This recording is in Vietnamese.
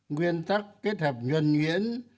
nguyên tắc kết hợp nhuần nhuyễn